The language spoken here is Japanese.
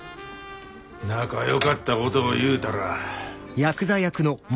仲良かったこというたら。